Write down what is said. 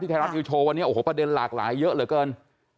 ไทยรัฐนิวโชว์วันนี้โอ้โหประเด็นหลากหลายเยอะเหลือเกิน